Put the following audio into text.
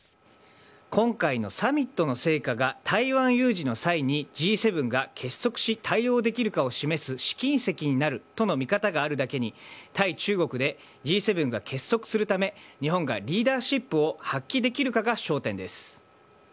今回のサミットの成果が、台湾有事の際に、Ｇ７が結束し、対応できるかを示す試金石になるとの見方があるだけに、対中国で、Ｇ７が結束するため、日本がリーダーシップを発揮できるかが焦点です。